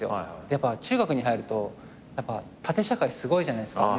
やっぱ中学に入ると縦社会すごいじゃないですか。